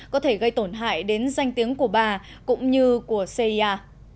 có thể gây tổn hại đến danh tiếng của bà cũng như của cia